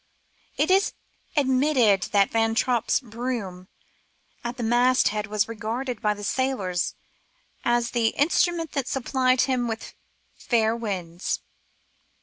It is admitted that Van Tromp's broom at the masthead was regarded by his sailors as the instru ment that supplied him with fair winds.